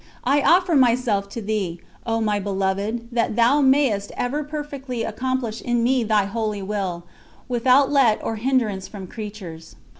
I offer myself to Thee, O my Beloved, that Thou mayest ever perfectly accomplish in me Thy Holy Will, without let or hindrance from creatures."